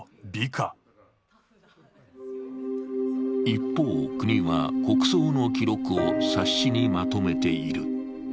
一方、国は国葬の記録を冊子にまとめている。